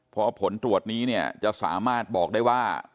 พอผลตรวจนี้เนี่ยจะสามารถบอกได้ว่า